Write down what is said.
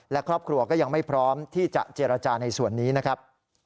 และครอบครัวก็ยังไม่พร้อมที่จะเจรจาในส่วนนี้นะครับ